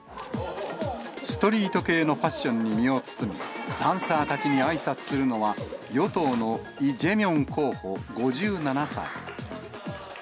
ストリート系のファッションに身を包み、ダンサーたちにあいさつするのは、与党のイ・ジェミョン候補５７歳。